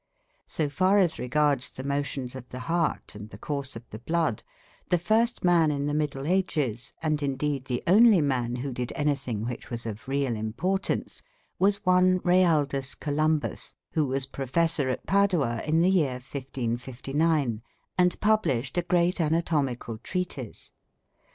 So far as regards the motions of the heart and the course of the blood, the first man in the Middle Ages, and indeed the only man who did anything which was of real importance, was one Realdus Columbus, who was professor at Padua in the year 1559, and published a great anatomical treatise.